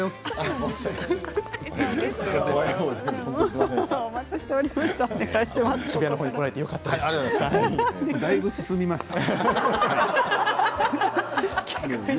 もうだいぶ進みましたよ。